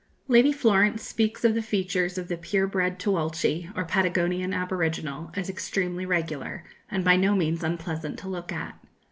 Lady Florence speaks of the features of the pure bred Tchuelche, or Patagonian aboriginal as extremely regular, and by no means unpleasant to look at.